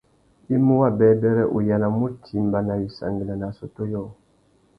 I mú wabêbêrê, u yānamú utimba nà wissangüena nà assôtô yôō.